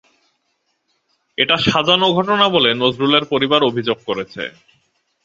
এটা সাজানো ঘটনা বলে নজরুলের পরিবার অভিযোগ করেছে।